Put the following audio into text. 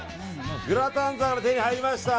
グラタン皿が手に入りました！